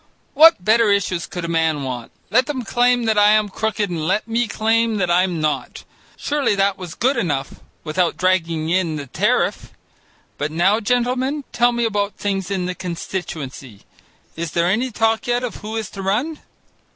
What better issues could a man want? Let them claim that I am crooked and let me claim that I'm not. Surely that was good enough without dragging in the tariff. But now, gentlemen, tell me about things in the constituency. Is there any talk yet of who is to run?"